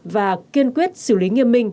và kiên quyết xử lý nghiêm minh